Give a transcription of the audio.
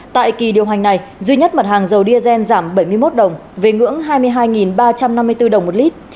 tại kỳ điều hành này duy nhất mặt hàng dầu diesel giảm bảy mươi một đồng về ngưỡng hai mươi hai ba trăm năm mươi bốn đồng một lít